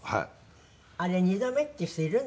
あれ２度目っていう人いるんですね